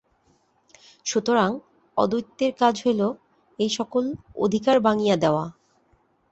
সুতরাং অদ্বৈতের কাজ হইল এই-সকল অধিকার ভাঙিয়া দেওয়া।